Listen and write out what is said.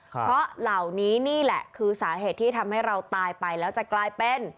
เพราะเหล่านี้นี่แหละคือสาเหตุที่ทำให้เราตายไปแล้วจะกลายเป็น